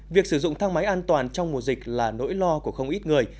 việc sử dụng thang máy an toàn trong mùa dịch là nỗi lo của không ít người